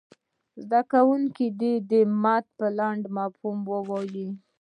زده کوونکي دې د متن لنډ مفهوم ووایي.